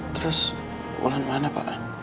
terus wulan mana pak